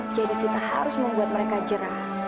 jadi kita harus membuat mereka jerah